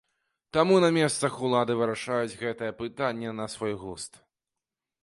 Таму на месцах улады вырашаюць гэтае пытанне на свой густ.